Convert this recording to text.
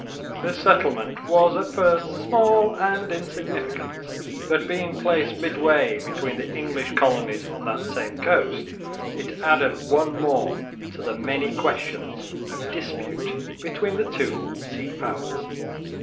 This settlement was at first small and insignificant, but, being placed midway between the English colonies on that same coast, it added one more to the many questions of dispute between the two sea powers.